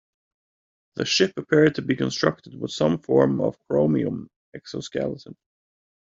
The ship appeared to be constructed with some form of chromium exoskeleton.